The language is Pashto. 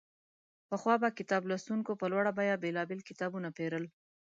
پخوا به کتاب لوستونکو په لوړه بیه بېلابېل کتابونه پېرل.